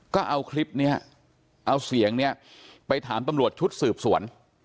ก็เอาคลิปนี้เอาเสียงเนี่ยไปถามตำรวจชุดสืบสวน